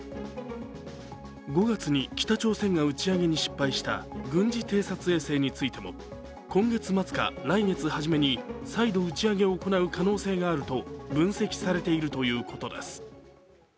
５月に北朝鮮が打ち上げに失敗した軍事偵察衛星についても今月末か来月初めに再度打ち上げを行う可能性があると分析されているということです。